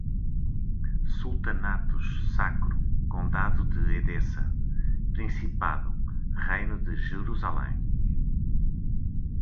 sultanatos, sacro, condado de Edessa, Principado, Reino de Jerusalém